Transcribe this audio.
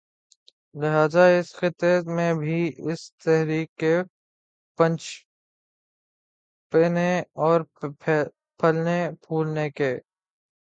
لہٰذا اس خطے میں بھی اس تحریک کے پنپنے اور پھلنے پھولنے کے